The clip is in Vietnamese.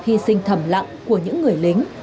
hy sinh thầm lặng của những người lính